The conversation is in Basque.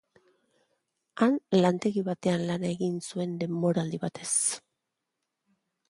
Han lantegi batean lan egin zuen denboraldi batez.